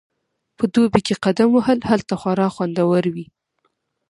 په دوبي کې قدم وهل هلته خورا خوندور وي